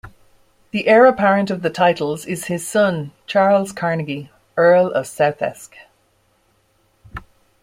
The heir apparent of the titles is his son, Charles Carnegie, Earl of Southesk.